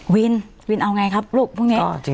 วินวินเอาไงครับลูกพรุ่งนี้